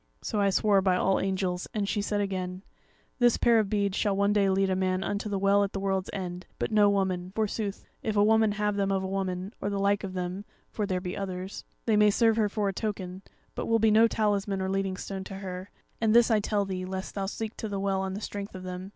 So I swore by All Angels; and she said again: 'This pair of beads shall one day lead a man unto the Well at the World's End, but no woman; forsooth, if a woman have them of a woman, or the like of them, (for there be others,) they may serve her for a token; but will be no talisman or leading stone to her; and this I tell thee lest thou seek to the Well on the strength of them.